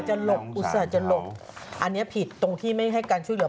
หลบอุตส่าห์จะหลบอันนี้ผิดตรงที่ไม่ให้การช่วยเหลือ